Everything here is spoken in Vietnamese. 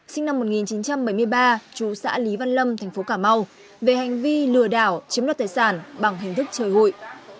sinh năm một nghìn chín trăm bảy mươi ba chú xã lý văn lâm thành phố cà mau về hành vi lừa đảo chiếm đoạt tài sản bằng hình thức chơi hụi